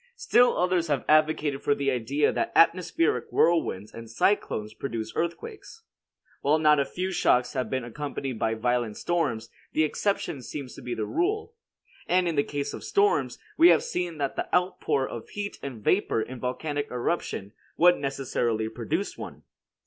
Still others have advocated the idea that atmospheric whirlwinds and cyclones produce earthquakes. While not a few shocks have been accompanied by violent storms, the exception seems to be the rule. And in the case of storms, we have seen that the outpour of heat and vapor in a volcanic eruption would necessarily produce one.